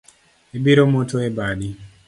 Ibiro moto e badi